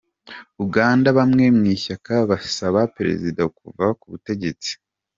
Uganda Bamwe mu ishyaka basaba Perezida kuva ku butegetsi